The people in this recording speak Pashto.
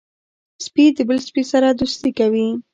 سپي د بل سپي سره دوستي کوي.